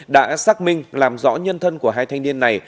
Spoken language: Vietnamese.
đã xác minh làm rõ nhân thân của hai thanh niên này